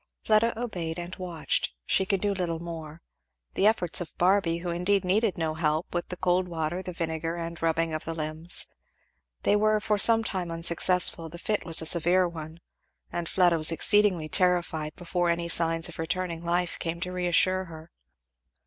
Fleda obeyed; and watched, she could do little more, the efforts of Barby, who indeed needed no help, with the cold water, the vinegar, and rubbing of the limbs. They were for sometime unsuccessful; the fit was a severe one; and Fleda was exceedingly terrified before any signs of returning life came to reassure her.